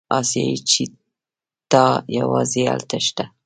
اسیایي چیتا یوازې هلته شته.